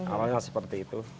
awalnya seperti itu